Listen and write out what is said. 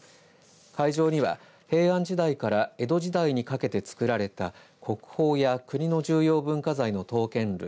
会場には平安時代から江戸時代にかけて作られた国宝や国の重要文化財の刀剣類